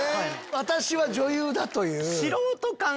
私は女優だという。